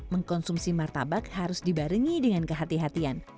mengkonsumsi martabak harus dibarengi dengan kehatian kehatian